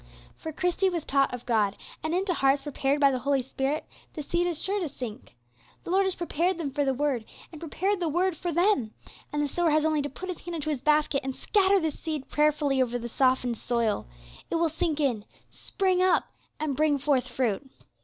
For Christie was taught of God, and into hearts prepared by the Holy Spirit the seed is sure to sink. The Lord has prepared them for the word, and prepared the word for them, and the sower has only to put his hand into his basket and scatter the seed prayerfully over the softened soil. It will sink in, spring up, and bring forth fruit.